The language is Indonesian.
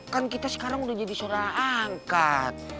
kan kita sekarang udah jadi seorang angkat